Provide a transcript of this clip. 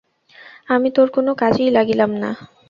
আমি তোর কোনো কাজেই লাগিলাম না।